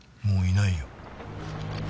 もういないよ。